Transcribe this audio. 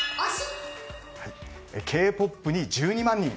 Ｋ‐ＰＯＰに１２万人。